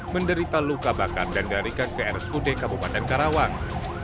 menderita luka bakar dan dilarikan ke rsud kabupaten karawang